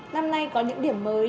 năm nay có những điểm mới